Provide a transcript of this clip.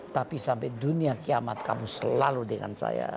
tapi sampai dunia kiamat kamu selalu dengan saya